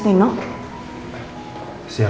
baik baik baik baik